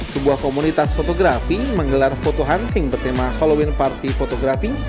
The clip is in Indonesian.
sebuah komunitas fotografi menggelar foto hunting bertema halloween party photography